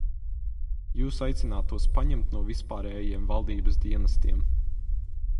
Jūs aicināt tos paņemt no vispārējiem valdības dienestiem.